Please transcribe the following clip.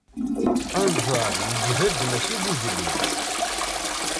Anẓar yeǧhed mačči d izli.